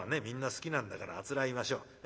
みんな好きなんだからあつらえましょう。